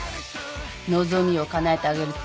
望みをかなえてあげるって。